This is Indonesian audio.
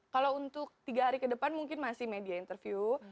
kalau untuk tiga hari ke depan mungkin masih media interview